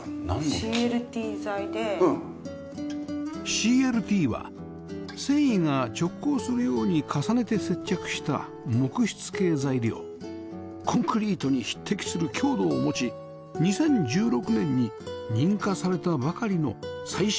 ＣＬＴ は繊維が直交するように重ねて接着した木質系材料コンクリートに匹敵する強度を持ち２０１６年に認可されたばかりの最新の構造材です